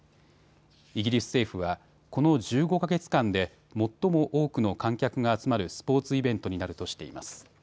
イギリス政府はこの１５か月間で最も多くの観客が集まるスポーツイベントになるとしています。